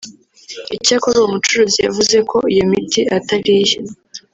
Icyakora uwo mucuruzi yavuze ko iyo miti atari iye